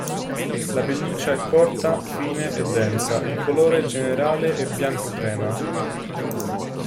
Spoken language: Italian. La pelliccia è corta, fine e densa, il colore generale è bianco-crema.